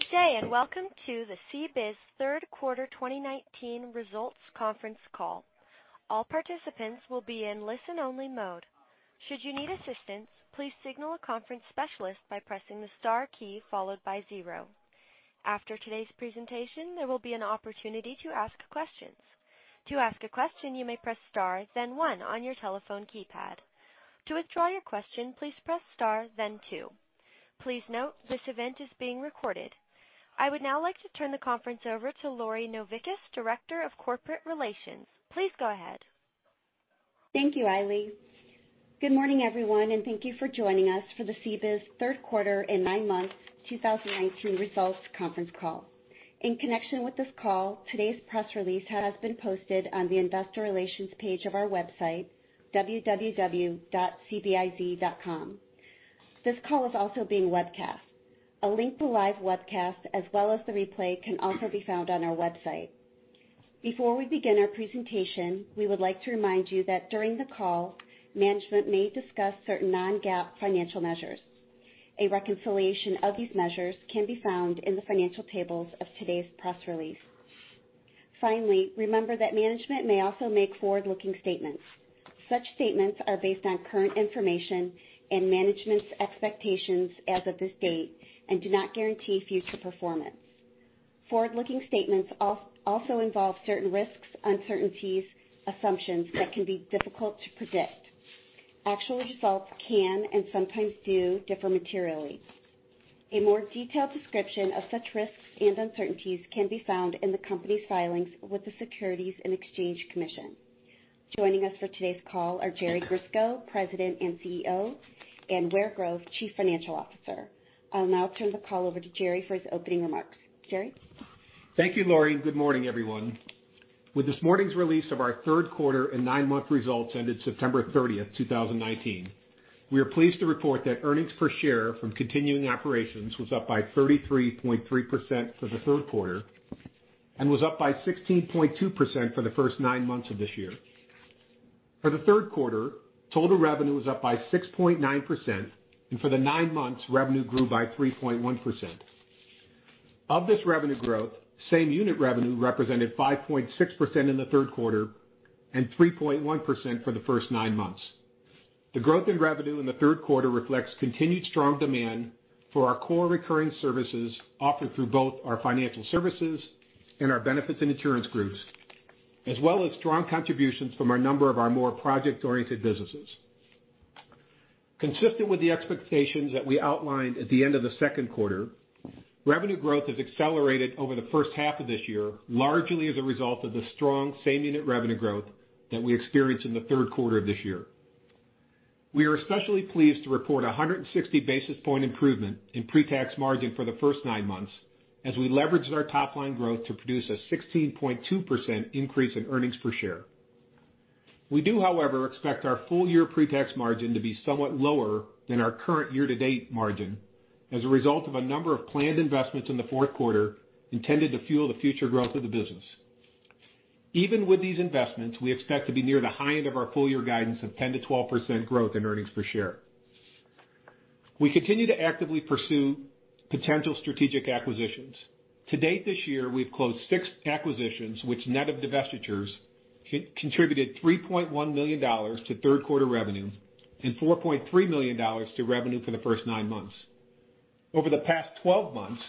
Good day, and welcome to the CBIZ third quarter 2019 results conference call. All participants will be in listen-only mode. Should you need assistance, please signal a conference specialist by pressing the star key followed by zero. After today's presentation, there will be an opportunity to ask questions. To ask a question, you may press star then one on your telephone keypad. To withdraw your question, please press star then two. Please note, this event is being recorded. I would now like to turn the conference over to Lori Novickis, Director of Corporate Relations. Please go ahead. Thank you, [Eli]. Good morning, everyone, and thank you for joining us for the CBIZ third quarter in nine months 2019 results conference call. In connection with this call, today's press release has been posted on the investor relations page of our website, www.cbiz.com. This call is also being webcast. A link to live webcast as well as the replay can also be found on our website. Before we begin our presentation, we would like to remind you that during the call, management may discuss certain non-GAAP financial measures. A reconciliation of these measures can be found in the financial tables of today's press release. Finally, remember that management may also make forward-looking statements. Such statements are based on current information and management's expectations as of this date and do not guarantee future performance. Forward-looking statements also involve certain risks, uncertainties, assumptions that can be difficult to predict. Actual results can, and sometimes do, differ materially. A more detailed description of such risks and uncertainties can be found in the company's filings with the Securities and Exchange Commission. Joining us for today's call are Jerry Grisko, President and CEO, and Ware Grove, Chief Financial Officer. I'll now turn the call over to Jerry for his opening remarks. Jerry? Thank you, Lori. Good morning, everyone. With this morning's release of our third quarter and nine-month results ended September 30, 2019, we are pleased to report that earnings per share from continuing operations was up by 33.3% for the third quarter and was up by 16.2% for the first nine months of this year. For the third quarter, total revenue was up by 6.9%, and for the nine months, revenue grew by 3.1%. Of this revenue growth, same unit revenue represented 5.6% in the third quarter and 3.1% for the first nine months. The growth in revenue in the third quarter reflects continued strong demand for our core recurring services offered through both our financial services and our benefits and insurance groups, as well as strong contributions from a number of our more project-oriented businesses. Consistent with the expectations that we outlined at the end of the second quarter, revenue growth has accelerated over the first half of this year, largely as a result of the strong same unit revenue growth that we experienced in the third quarter of this year. We are especially pleased to report a 160 basis point improvement in pre-tax margin for the first nine months as we leveraged our top-line growth to produce a 16.2% increase in earnings per share. We do, however, expect our full year pre-tax margin to be somewhat lower than our current year-to-date margin as a result of a number of planned investments in the fourth quarter intended to fuel the future growth of the business. Even with these investments, we expect to be near the high end of our full year guidance of 10%-12% growth in earnings per share. We continue to actively pursue potential strategic acquisitions. To date this year, we've closed six acquisitions, which net of divestitures, contributed $3.1 million to third quarter revenue and $4.3 million to revenue for the first nine months. Over the past 12 months,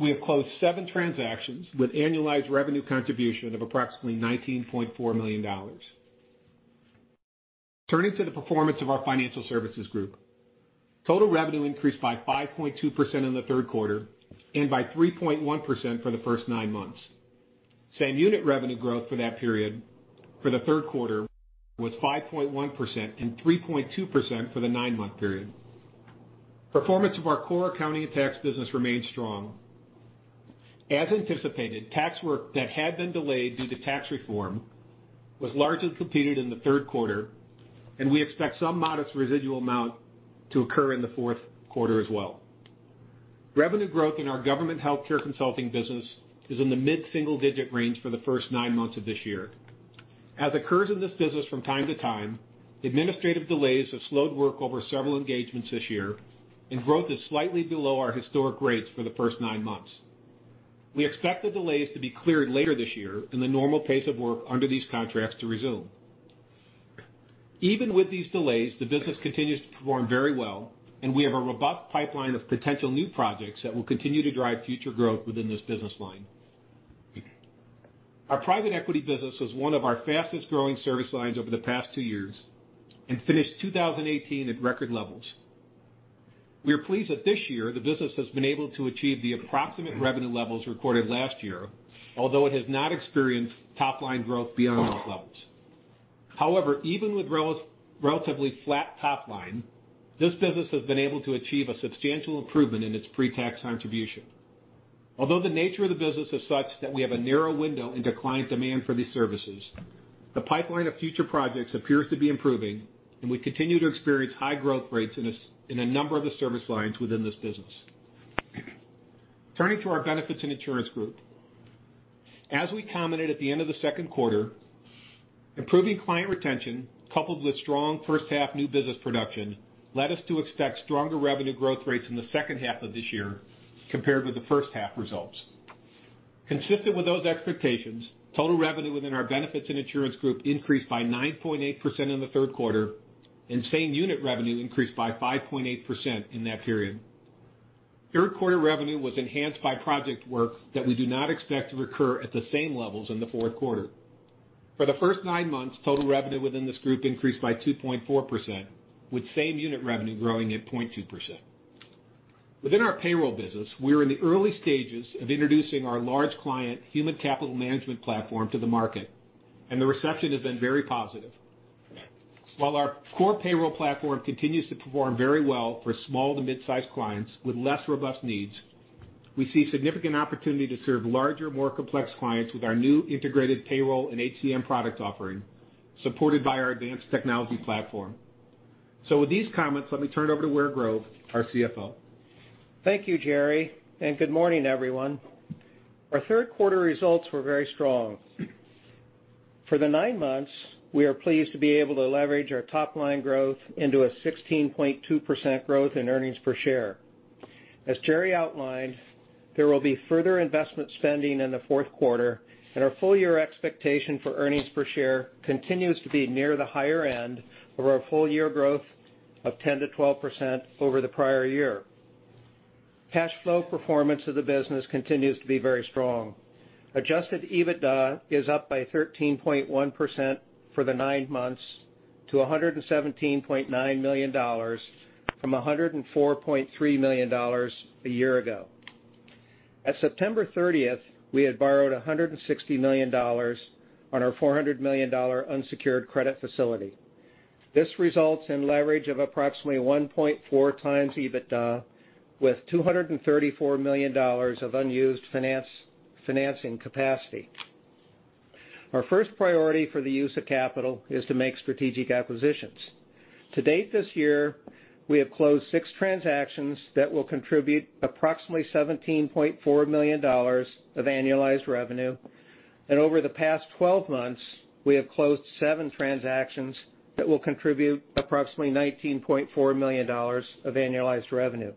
we have closed seven transactions with annualized revenue contribution of approximately $19.4 million. Turning to the performance of our financial services group. Total revenue increased by 5.2% in the third quarter and by 3.1% for the first nine months. Same unit revenue growth for that period for the third quarter was 5.1% and 3.2% for the nine-month period. Performance of our core accounting and tax business remained strong. As anticipated, tax work that had been delayed due to tax reform was largely completed in the third quarter, and we expect some modest residual amount to occur in the fourth quarter as well. Revenue growth in our government healthcare consulting business is in the mid-single-digit range for the first nine months of this year. As occurs in this business from time to time, administrative delays have slowed work over several engagements this year, and growth is slightly below our historic rates for the first nine months. We expect the delays to be cleared later this year and the normal pace of work under these contracts to resume. Even with these delays, the business continues to perform very well, and we have a robust pipeline of potential new projects that will continue to drive future growth within this business line. Our private equity business was one of our fastest-growing service lines over the past two years and finished 2018 at record levels. We are pleased that this year the business has been able to achieve the approximate revenue levels recorded last year, although it has not experienced top-line growth beyond those levels. However, even with relatively flat top line, this business has been able to achieve a substantial improvement in its pre-tax contribution. Although the nature of the business is such that we have a narrow window into client demand for these services, the pipeline of future projects appears to be improving, and we continue to experience high growth rates in a number of the service lines within this business. Turning to our benefits and insurance group. As we commented at the end of the second quarter, improving client retention, coupled with strong first half new business production, led us to expect stronger revenue growth rates in the second half of this year compared with the first half results. Consistent with those expectations, total revenue within our benefits and insurance group increased by 9.8% in the third quarter, and same unit revenue increased by 5.8% in that period. Third quarter revenue was enhanced by project work that we do not expect to recur at the same levels in the fourth quarter. For the first nine months, total revenue within this group increased by 2.4%, with same unit revenue growing at 0.2%. Within our payroll business, we are in the early stages of introducing our large client human capital management platform to the market, and the reception has been very positive. While our core payroll platform continues to perform very well for small to mid-size clients with less robust needs, we see significant opportunity to serve larger, more complex clients with our new integrated payroll and HCM product offering, supported by our advanced technology platform. With these comments, let me turn it over to Ware Grove, our CFO. Thank you, Jerry. Good morning, everyone. Our third quarter results were very strong. For the nine months, we are pleased to be able to leverage our top-line growth into a 16.2% growth in earnings per share. As Jerry outlined, there will be further investment spending in the fourth quarter, and our full-year expectation for earnings per share continues to be near the higher end of our full-year growth of 10%-12% over the prior year. Cash flow performance of the business continues to be very strong. Adjusted EBITDA is up by 13.1% for the nine months to $117.9 million from $104.3 million a year ago. At September 30th, we had borrowed $160 million on our $400 million unsecured credit facility. This results in leverage of approximately 1.4 times EBITDA with $234 million of unused financing capacity. Our first priority for the use of capital is to make strategic acquisitions. To date this year, we have closed six transactions that will contribute approximately $17.4 million of annualized revenue. Over the past 12 months, we have closed seven transactions that will contribute approximately $19.4 million of annualized revenue.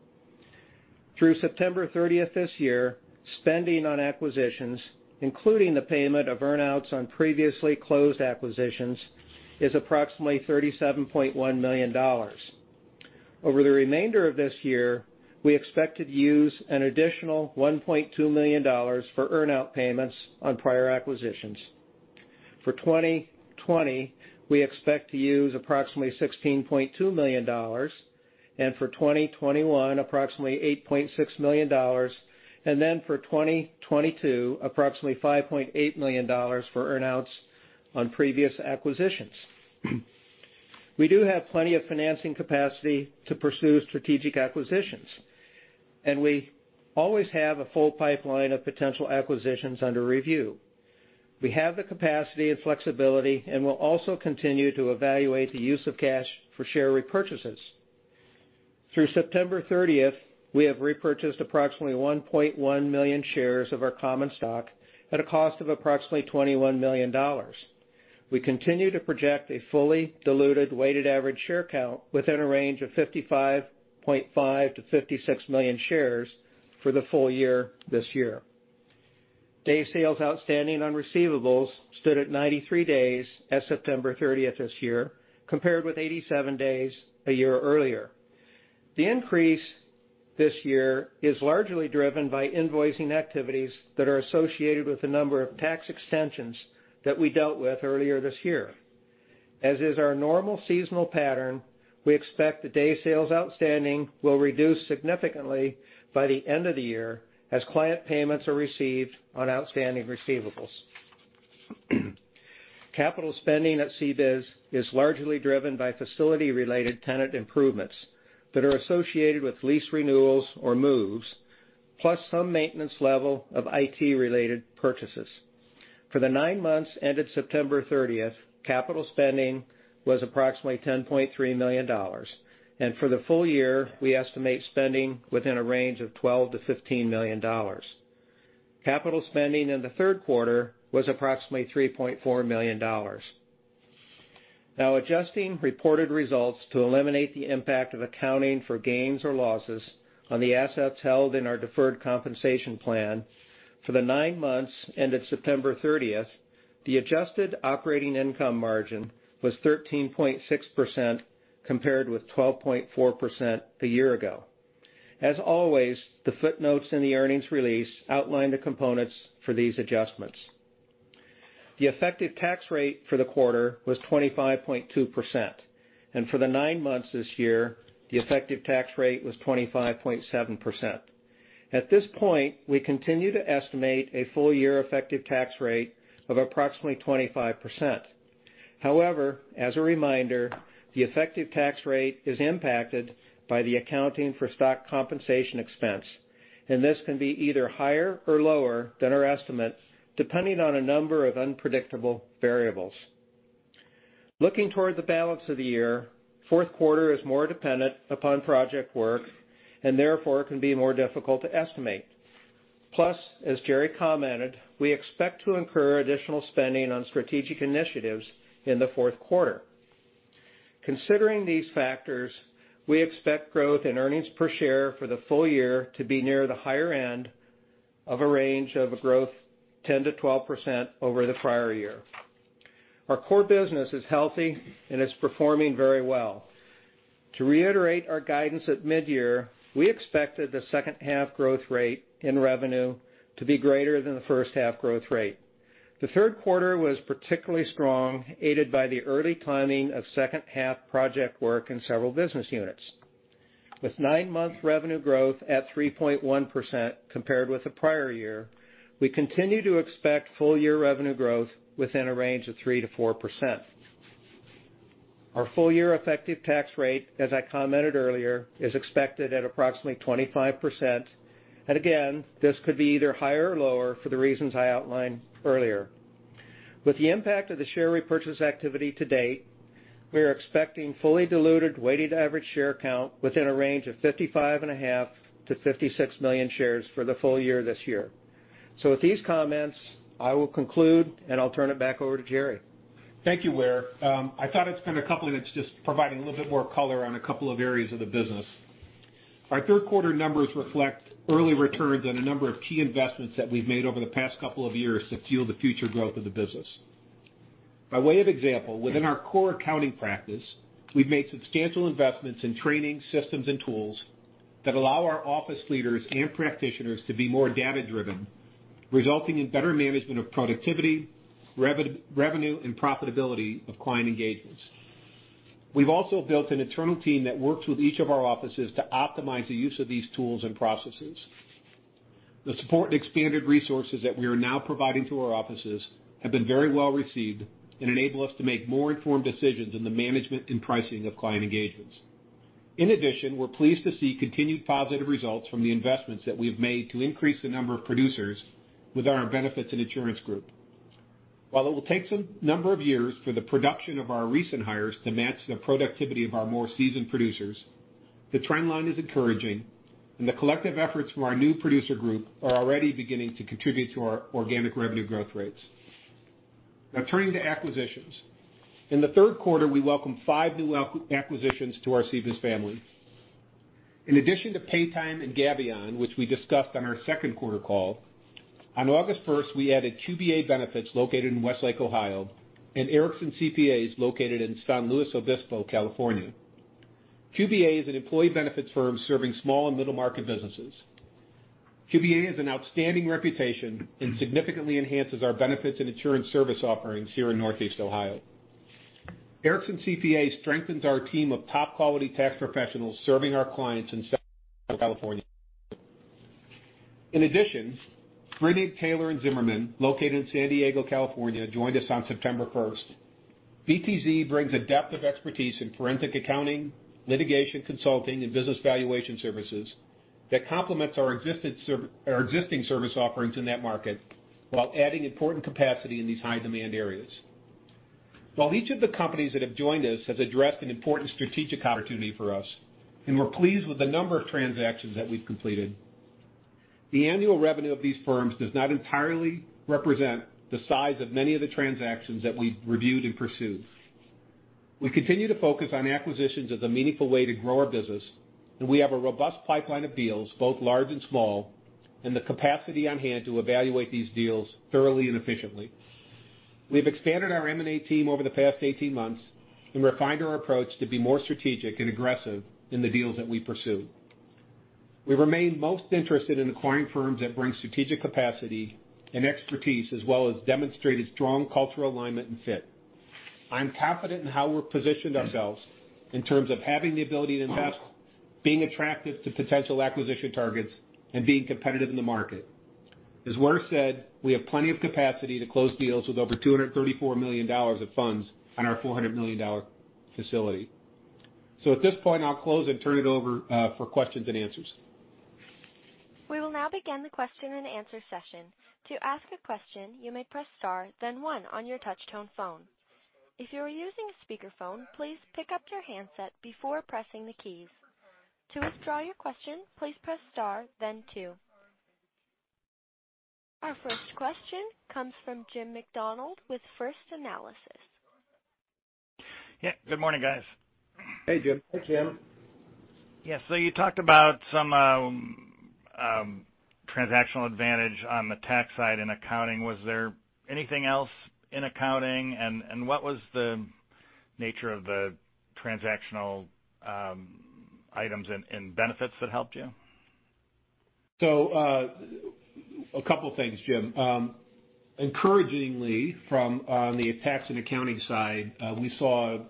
Through September 30th this year, spending on acquisitions, including the payment of earn-outs on previously closed acquisitions, is approximately $37.1 million. Over the remainder of this year, we expect to use an additional $1.2 million for earn-out payments on prior acquisitions. For 2020, we expect to use approximately $16.2 million, and for 2021, approximately $8.6 million, and then for 2022, approximately $5.8 million for earn-outs on previous acquisitions. We do have plenty of financing capacity to pursue strategic acquisitions, and we always have a full pipeline of potential acquisitions under review. We have the capacity and flexibility and will also continue to evaluate the use of cash for share repurchases. Through September 30th, we have repurchased approximately 1.1 million shares of our common stock at a cost of approximately $21 million. We continue to project a fully diluted weighted average share count within a range of 55.5 million-56 million shares for the full year this year. Days sales outstanding on receivables stood at 93 days as September 30th this year, compared with 87 days a year earlier. The increase this year is largely driven by invoicing activities that are associated with the number of tax extensions that we dealt with earlier this year. As is our normal seasonal pattern, we expect the days sales outstanding will reduce significantly by the end of the year as client payments are received on outstanding receivables. Capital spending at CBIZ is largely driven by facility-related tenant improvements that are associated with lease renewals or moves, plus some maintenance level of IT-related purchases. For the nine months ended September 30th, capital spending was approximately $10.3 million. For the full year, we estimate spending within a range of $12 million-$15 million. Capital spending in the third quarter was approximately $3.4 million. Adjusting reported results to eliminate the impact of accounting for gains or losses on the assets held in our deferred compensation plan, for the nine months ended September 30th, the adjusted operating income margin was 13.6%, compared with 12.4% a year ago. As always, the footnotes in the earnings release outline the components for these adjustments. The effective tax rate for the quarter was 25.2%, and for the nine months this year, the effective tax rate was 25.7%. At this point, we continue to estimate a full-year effective tax rate of approximately 25%. However, as a reminder, the effective tax rate is impacted by the accounting for stock compensation expense, and this can be either higher or lower than our estimate, depending on a number of unpredictable variables. Looking toward the balance of the year, fourth quarter is more dependent upon project work and therefore can be more difficult to estimate. Plus, as Jerry commented, we expect to incur additional spending on strategic initiatives in the fourth quarter. Considering these factors, we expect growth in earnings per share for the full year to be near the higher end of a range of a growth 10%-12% over the prior year. Our core business is healthy and is performing very well. To reiterate our guidance at mid-year, we expected the second half growth rate in revenue to be greater than the first half growth rate. The third quarter was particularly strong, aided by the early timing of second half project work in several business units. With nine-month revenue growth at 3.1% compared with the prior year, we continue to expect full year revenue growth within a range of 3%-4%. Our full year effective tax rate, as I commented earlier, is expected at approximately 25%, and again, this could be either higher or lower for the reasons I outlined earlier. With the impact of the share repurchase activity to date, we are expecting fully diluted weighted average share count within a range of 55.5 million-56 million shares for the full year this year. With these comments, I will conclude, and I'll turn it back over to Jerry. Thank you, Ware. I thought I'd spend a couple minutes just providing a little bit more color on a couple of areas of the business. Our third quarter numbers reflect early returns on a number of key investments that we've made over the past couple of years to fuel the future growth of the business. By way of example, within our core accounting practice, we've made substantial investments in training, systems, and tools that allow our office leaders and practitioners to be more data-driven, resulting in better management of productivity, revenue, and profitability of client engagements. We've also built an internal team that works with each of our offices to optimize the use of these tools and processes. The support and expanded resources that we are now providing to our offices have been very well-received and enable us to make more informed decisions in the management and pricing of client engagements. In addition, we're pleased to see continued positive results from the investments that we've made to increase the number of producers within our benefits and insurance group. While it will take some number of years for the production of our recent hires to match the productivity of our more seasoned producers, the trend line is encouraging, and the collective efforts from our new producer group are already beginning to contribute to our organic revenue growth rates. Now turning to acquisitions. In the third quarter, we welcomed five new acquisitions to our CBIZ family. In addition to Paytime and Gavion, which we discussed on our second quarter call, on August first, we added QBA Benefits, located in Westlake, Ohio, and Ericson CPAs, located in San Luis Obispo, California. QBA is an employee benefits firm serving small and middle market businesses. QBA has an outstanding reputation and significantly enhances our benefits and insurance service offerings here in Northeast Ohio. Ericson CPA strengthens our team of top quality tax professionals serving our clients in Southern California. Brinig Taylor Zimmer, located in San Diego, California, joined us on September first. BTZ brings a depth of expertise in forensic accounting, litigation consulting, and business valuation services that complements our existing service offerings in that market while adding important capacity in these high demand areas. While each of the companies that have joined us has addressed an important strategic opportunity for us, and we're pleased with the number of transactions that we've completed, the annual revenue of these firms does not entirely represent the size of many of the transactions that we've reviewed and pursued. We continue to focus on acquisitions as a meaningful way to grow our business. We have a robust pipeline of deals, both large and small, and the capacity on hand to evaluate these deals thoroughly and efficiently. We've expanded our M&A team over the past 18 months and refined our approach to be more strategic and aggressive in the deals that we pursue. We remain most interested in acquiring firms that bring strategic capacity and expertise, as well as demonstrated strong cultural alignment and fit. I'm confident in how we've positioned ourselves in terms of having the ability to invest, being attractive to potential acquisition targets, and being competitive in the market. As Ware said, we have plenty of capacity to close deals with over $234 million of funds on our $400 million facility. At this point, I'll close and turn it over for questions and answers. We will now begin the question and answer session. To ask a question, you may press star then one on your touch tone phone. If you are using a speakerphone, please pick up your handset before pressing the keys. To withdraw your question, please press star then two. Our first question comes from Jim MacDonald with First Analysis. Yeah, good morning, guys. Hey, Jim. Hey, Jim. Yeah, you talked about some transactional advantage on the tax side in accounting. Was there anything else in accounting, and what was the nature of the transactional items and benefits that helped you? A couple of things, Jim. Encouragingly, from on the tax and accounting side, we saw a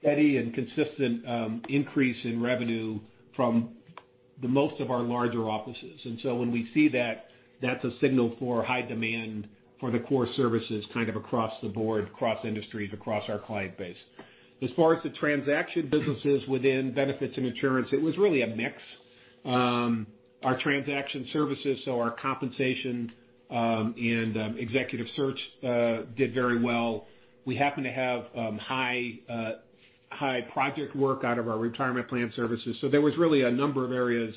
steady and consistent increase in revenue from the most of our larger offices. When we see that's a signal for high demand for the core services kind of across the board, across industries, across our client base. As far as the transaction businesses within benefits and insurance, it was really a mix. Our transaction services, so our compensation and executive search did very well. We happen to have high project work out of our retirement plan services. There was really a number of areas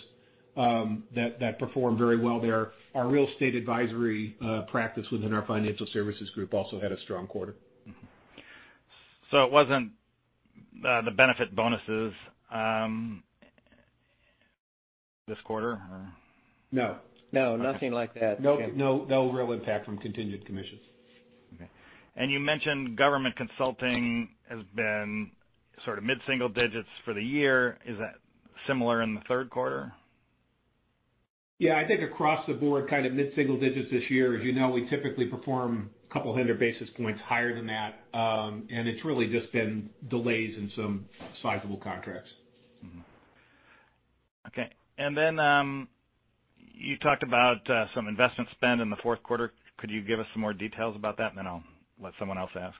that performed very well there. Our real estate advisory practice within our financial services group also had a strong quarter. Mm-hmm. It wasn't the benefit bonuses this quarter? No. No, nothing like that. No real impact from contingent commissions. Okay. You mentioned government consulting has been sort of mid-single digits for the year. Is that similar in the third quarter? Yeah. I think across the board, mid-single digits this year. As you know, we typically perform a couple hundred basis points higher than that, and it's really just been delays in some sizable contracts. Okay. You talked about some investment spend in the fourth quarter. Could you give us some more details about that? I'll let someone else ask.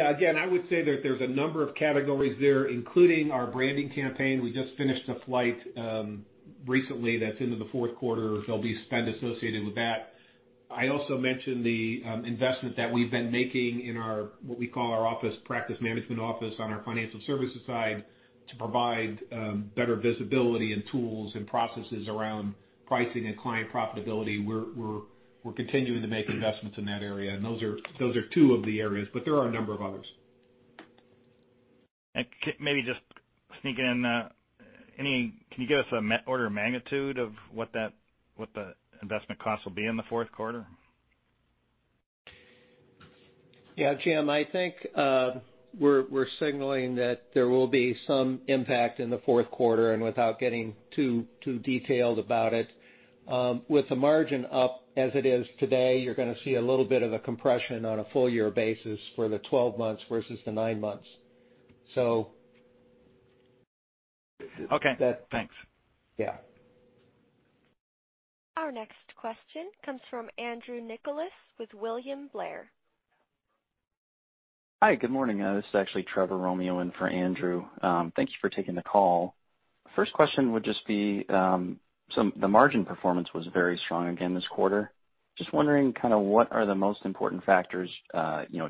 Again, I would say that there's a number of categories there, including our branding campaign. We just finished a flight recently that's into the fourth quarter. There'll be spend associated with that. I also mentioned the investment that we've been making in our, what we call our practice management office on our financial services side to provide better visibility and tools and processes around pricing and client profitability. We're continuing to make investments in that area. Those are two of the areas, but there are a number of others. Maybe just sneak in, can you give us an order of magnitude of what the investment cost will be in the fourth quarter? Yeah, Jim, I think, we're signaling that there will be some impact in the fourth quarter. Without getting too detailed about it, with the margin up as it is today, you're going to see a little bit of a compression on a full-year basis for the 12 months versus the nine months. Okay. Thanks. Yeah. Our next question comes from Andrew Nicholas with William Blair. Hi. Good morning. This is actually Trevor Romeo in for Andrew. Thank you for taking the call. First question would just be, the margin performance was very strong again this quarter. Just wondering what are the most important factors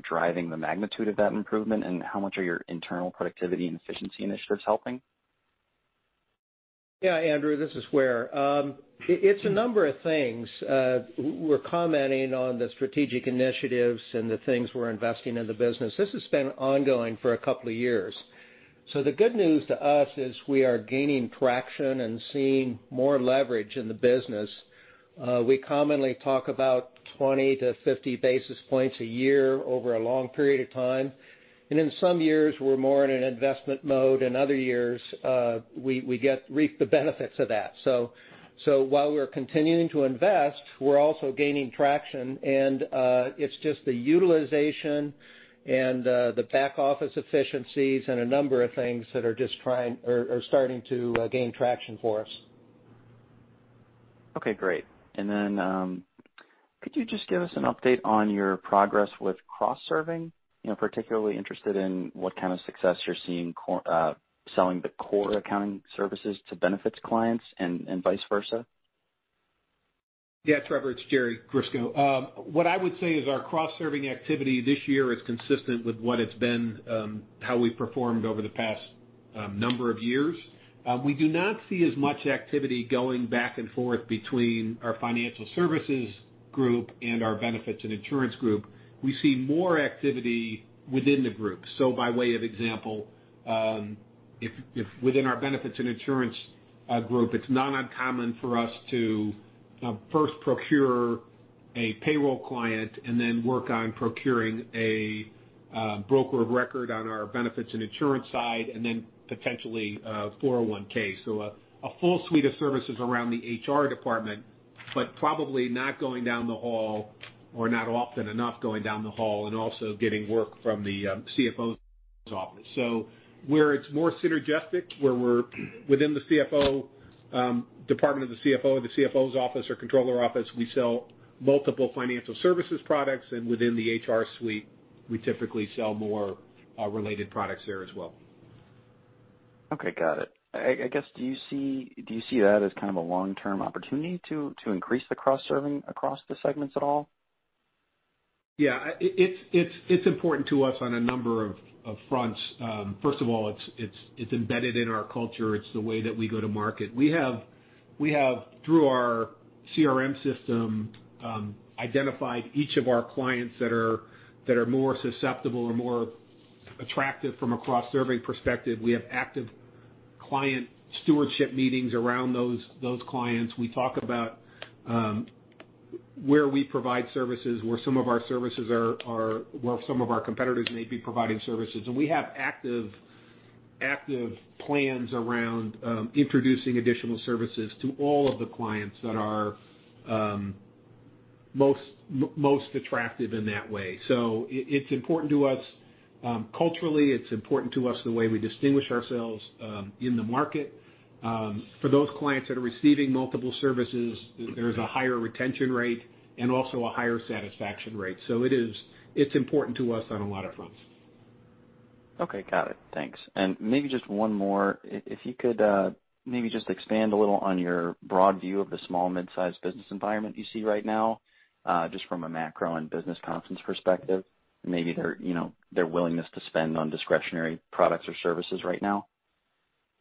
driving the magnitude of that improvement, and how much are your internal productivity and efficiency initiatives helping? Andrew, this is Ware. It's a number of things. We're commenting on the strategic initiatives and the things we're investing in the business. This has been ongoing for a couple of years. The good news to us is we are gaining traction and seeing more leverage in the business. We commonly talk about 20-50 basis points a year over a long period of time. In some years, we're more in an investment mode, and other years, we reap the benefits of that. While we're continuing to invest, we're also gaining traction and it's just the utilization and the back-office efficiencies and a number of things that are starting to gain traction for us. Okay, great. Then, could you just give us an update on your progress with cross-serving? Particularly interested in what kind of success you're seeing selling the core accounting services to benefits clients and vice versa. Yeah, Trevor, it's Jerry Grisko. What I would say is our cross-serving activity this year is consistent with what it's been, how we've performed over the past number of years. We do not see as much activity going back and forth between our financial services group and our benefits and insurance group. We see more activity within the group. By way of example, within our benefits and insurance group, it's not uncommon for us to first procure a payroll client and then work on procuring a broker of record on our benefits and insurance side, and then potentially a 401. A full suite of services around the HR department, but probably not going down the hall or not often enough going down the hall and also getting work from the CFO's office. Where it's more synergistic, where we're within the CFO, department of the CFO, the CFO's office or controller office, we sell multiple financial services products, and within the HR suite, we typically sell more related products there as well. Okay. Got it. I guess, do you see that as a long-term opportunity to increase the cross-serving across the segments at all? Yeah. It's important to us on a number of fronts. First of all, it's embedded in our culture. It's the way that we go to market. We have, through our CRM system, identified each of our clients that are more susceptible or more attractive from a cross-serving perspective. We have active client stewardship meetings around those clients. We talk about where we provide services, where some of our competitors may be providing services. We have active plans around introducing additional services to all of the clients that are most attractive in that way. It's important to us culturally. It's important to us the way we distinguish ourselves in the market. For those clients that are receiving multiple services, there's a higher retention rate and also a higher satisfaction rate. It's important to us on a lot of fronts. Okay, got it. Thanks. Maybe just one more, if you could maybe just expand a little on your broad view of the small mid-size business environment you see right now, just from a macro and business confidence perspective, and maybe their willingness to spend on discretionary products or services right now.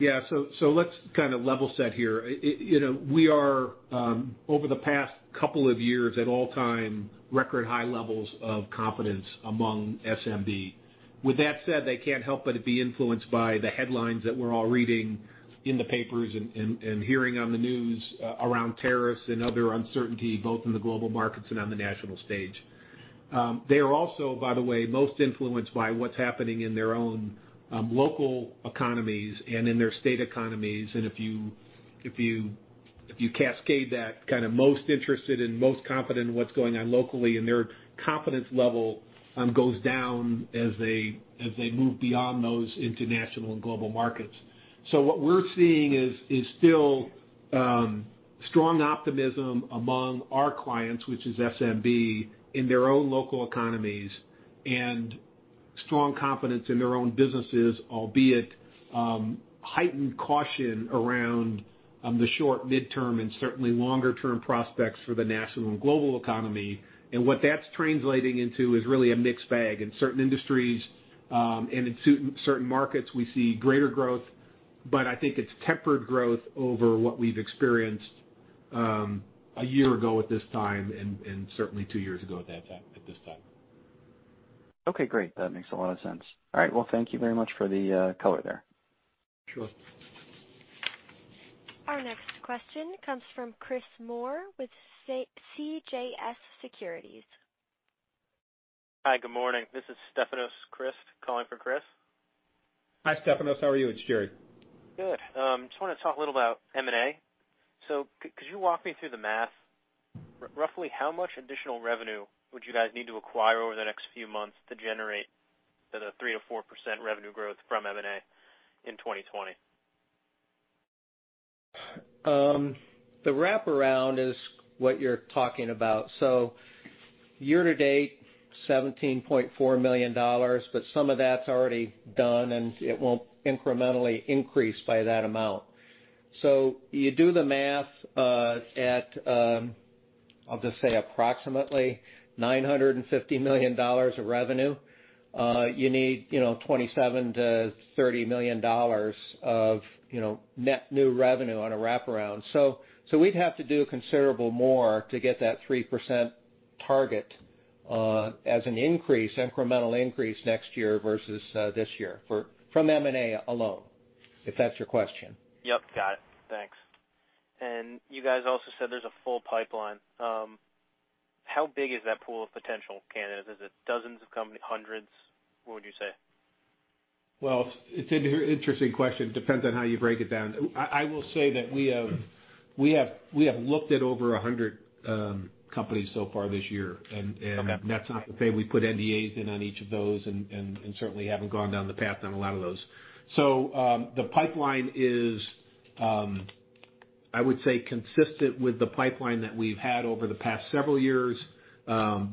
Yeah. Let's kind of level set here. We are, over the past couple of years, at all-time record high levels of confidence among SMB. With that said, they can't help but be influenced by the headlines that we're all reading in the papers and hearing on the news around tariffs and other uncertainty, both in the global markets and on the national stage. They are also, by the way, most influenced by what's happening in their own local economies and in their state economies. If you cascade that kind of most interested and most confident in what's going on locally, and their confidence level goes down as they move beyond those international and global markets. What we're seeing is still strong optimism among our clients, which is SMB, in their own local economies and strong confidence in their own businesses, albeit heightened caution around the short, midterm, and certainly longer-term prospects for the national and global economy. What that's translating into is really a mixed bag. In certain industries, and in certain markets, we see greater growth, but I think it's tempered growth over what we've experienced a year ago at this time and certainly two years ago at this time. Okay, great. That makes a lot of sense. All right, well, thank you very much for the color there. Sure. Our next question comes from Chris Moore with CJS Securities. Hi, good morning. This is Stefanos Crist calling for Chris. Hi, Stefanos. How are you? It's Jerry. Good. Just want to talk a little about M&A. Could you walk me through the math? Roughly how much additional revenue would you guys need to acquire over the next few months to generate the 3%-4% revenue growth from M&A in 2020? The wraparound is what you're talking about. Year to date, $17.4 million, but some of that's already done, and it won't incrementally increase by that amount. You do the math at, I'll just say approximately $950 million of revenue. You need $27 million-$30 million of net new revenue on a wraparound. We'd have to do considerable more to get that 3% target as an incremental increase next year versus this year from M&A alone, if that's your question. Yep, got it. Thanks. You guys also said there's a full pipeline. How big is that pool of potential candidates? Is it dozens of companies hundreds? What would you say? Well, it's an interesting question. Depends on how you break it down. I will say that we have looked at over 100 companies so far this year. Okay. That's not to say we put NDAs in on each of those and certainly haven't gone down the path on a lot of those. The pipeline is, I would say, consistent with the pipeline that we've had over the past several years.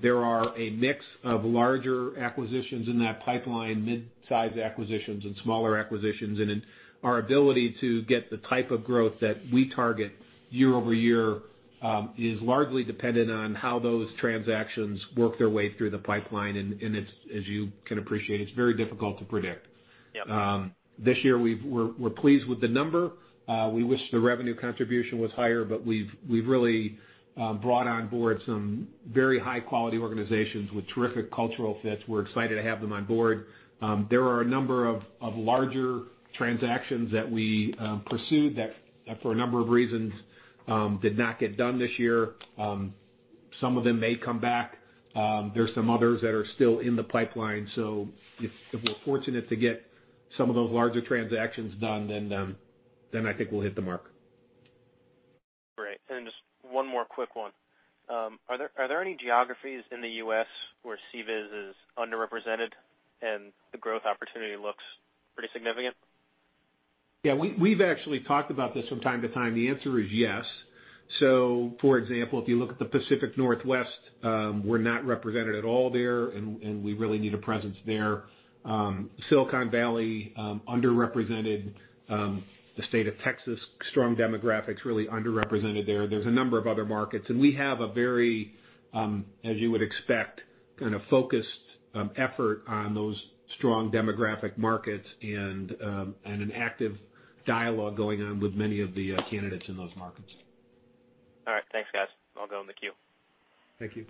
There are a mix of larger acquisitions in that pipeline, mid-size acquisitions and smaller acquisitions, and our ability to get the type of growth that we target year-over-year, is largely dependent on how those transactions work their way through the pipeline, and as you can appreciate, it's very difficult to predict. Yep. This year we're pleased with the number. We wish the revenue contribution was higher, but we've really brought on board some very high-quality organizations with terrific cultural fits. We're excited to have them on board. There are a number of larger transactions that we pursued that, for a number of reasons, did not get done this year. Some of them may come back. There's some others that are still in the pipeline. If we're fortunate to get some of those larger transactions done, then I think we'll hit the mark. Great. Just one more quick one. Are there any geographies in the U.S. where CBIZ is underrepresented and the growth opportunity looks pretty significant? Yeah, we've actually talked about this from time to time. The answer is yes. For example, if you look at the Pacific Northwest, we're not represented at all there, and we really need a presence there. Silicon Valley, underrepresented. The state of Texas, strong demographics, really underrepresented there. There's a number of other markets, and we have a very, as you would expect, kind of focused effort on those strong demographic markets and an active dialogue going on with many of the candidates in those markets. All right. Thanks, guys. I'll go in the queue. Thank you.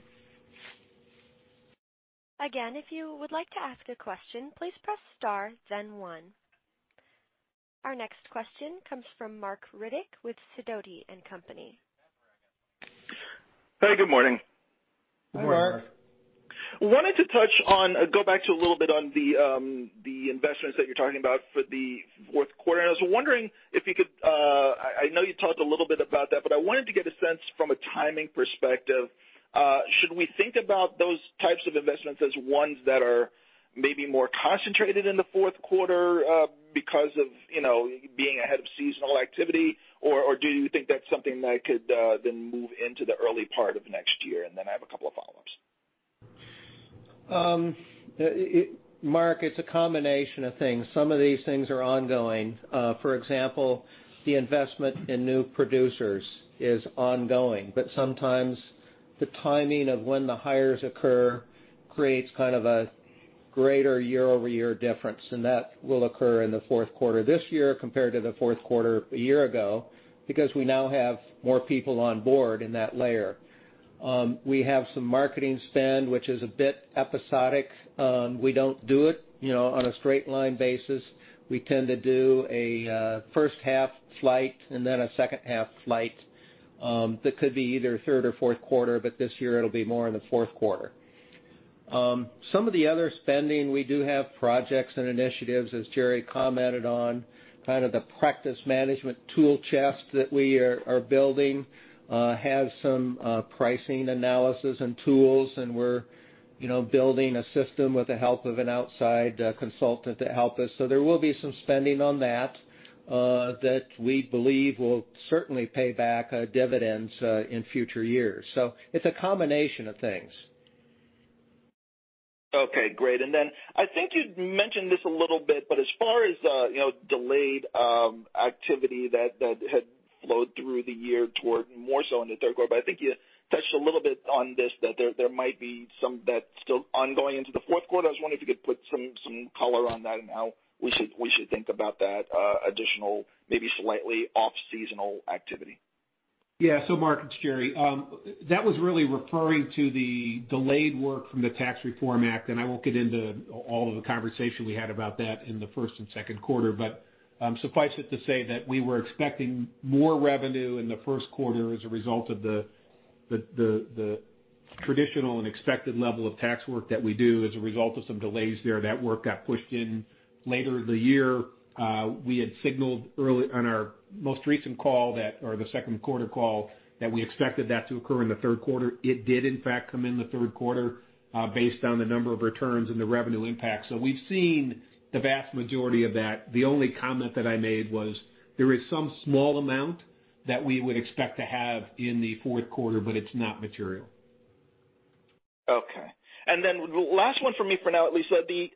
Again, if you would like to ask a question, please press star then one. Our next question comes from Marc Riddick with Sidoti & Company. Hey, good morning. Hi, Marc. Wanted to touch on, go back to a little bit on the investments that you're talking about for the fourth quarter. I was wondering if you could I know you talked a little bit about that, but I wanted to get a sense from a timing perspective. Should we think about those types of investments as ones that are maybe more concentrated in the fourth quarter because of being ahead of seasonal activity? Do you think that's something that could then move into the early part of next year? I have a couple of follow-ups. Marc, it's a combination of things. Some of these things are ongoing. For example, the investment in new producers is ongoing, but sometimes the timing of when the hires occur creates kind of a greater year-over-year difference, and that will occur in the fourth quarter this year compared to the fourth quarter a year ago because we now have more people on board in that layer. We have some marketing spend, which is a bit episodic. We don't do it on a straight line basis. We tend to do a first half flight and then a second half flight that could be either third or fourth quarter, but this year it'll be more in the fourth quarter. Some of the other spending, we do have projects and initiatives, as Jerry commented on, kind of the practice management tool chest that we are building has some pricing analysis and tools, and we're building a system with the help of an outside consultant to help us. There will be some spending on that we believe will certainly pay back dividends in future years. It's a combination of things. Okay, great. I think you'd mentioned this a little bit, but as far as delayed activity that had flowed through the year toward more so in the third quarter. I think you touched a little bit on this, that there might be some that's still ongoing into the fourth quarter. I was wondering if you could put some color on that and how we should think about that additional maybe slightly off-seasonal activity? Yeah. Marc, it's Gerry. That was really referring to the delayed work from the Tax Reform Act, and I won't get into all of the conversation we had about that in the first and second quarter. Suffice it to say that we were expecting more revenue in the first quarter as a result of the traditional and expected level of tax work that we do. As a result of some delays there, that work got pushed in later in the year. We had signaled on our most recent call, or the second quarter call, that we expected that to occur in the third quarter. It did in fact come in the third quarter based on the number of returns and the revenue impact. We've seen the vast majority of that. The only comment that I made was there is some small amount that we would expect to have in the fourth quarter, but it's not material. Okay. Last one for me for now, at least. The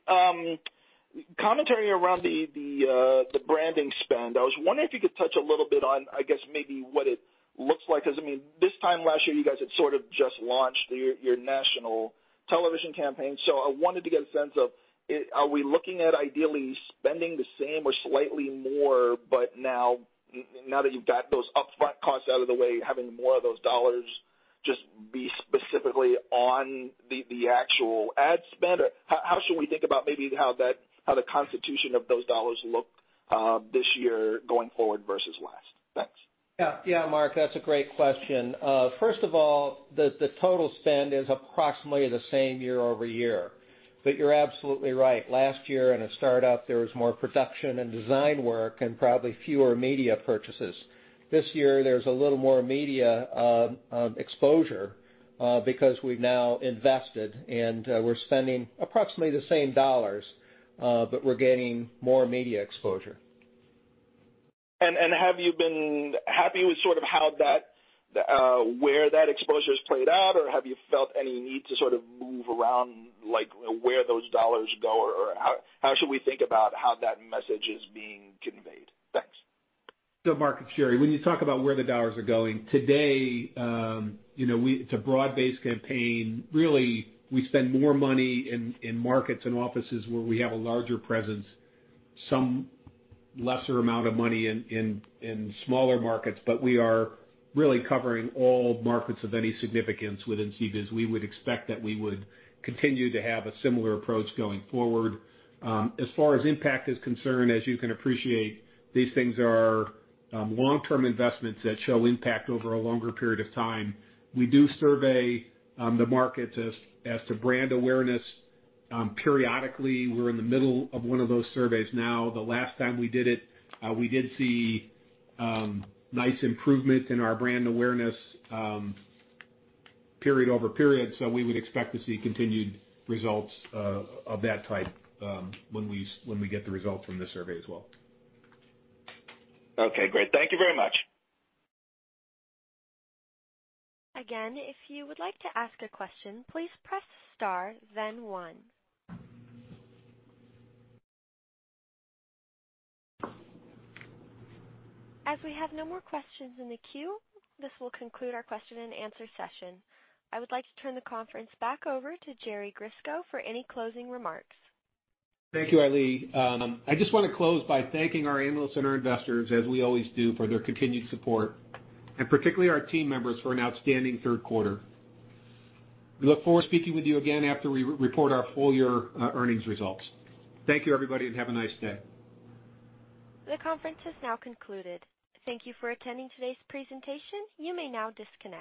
commentary around the branding spend, I was wondering if you could touch a little bit on, I guess, maybe what it looks like. I mean, this time last year, you guys had sort of just launched your national television campaign. I wanted to get a sense of are we looking at ideally spending the same or slightly more but now that you've got those upfront costs out of the way, having more of those dollars just be specifically on the actual ad spend? How should we think about maybe how the constitution of those dollars look this year going forward versus last? Thanks. Yeah. Marc, that's a great question. First of all, the total spend is approximately the same year-over-year. You're absolutely right. Last year in a startup, there was more production and design work and probably fewer media purchases. This year there's a little more media exposure because we've now invested and we're spending approximately the same dollars. We're gaining more media exposure. Have you been happy with sort of where that exposure's played out, or have you felt any need to sort of move around, like where those dollars go, or how should we think about how that message is being conveyed? Thanks. Marc, it's Jerry. When you talk about where the dollars are going, today it's a broad-based campaign. Really, we spend more money in markets and offices where we have a larger presence. Some lesser amount of money in smaller markets, we are really covering all markets of any significance within CBIZ. We would expect that we would continue to have a similar approach going forward. As far as impact is concerned, as you can appreciate, these things are long-term investments that show impact over a longer period of time. We do survey the markets as to brand awareness periodically. We're in the middle of one of those surveys now. The last time we did it, we did see nice improvement in our brand awareness period over period. We would expect to see continued results of that type when we get the results from this survey as well. Okay, great. Thank you very much. Again, if you would like to ask a question, please press star then one. As we have no more questions in the queue, this will conclude our question and answer session. I would like to turn the conference back over to Jerry Grisko for any closing remarks. Thank you, Ali. I just want to close by thanking our analysts and our investors as we always do, for their continued support, and particularly our team members for an outstanding third quarter. We look forward to speaking with you again after we report our full-year earnings results. Thank you, everybody, and have a nice day. The conference is now concluded. Thank you for attending today's presentation. You may now disconnect.